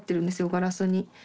ガラスに。